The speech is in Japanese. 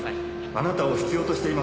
「あなたを必要としています」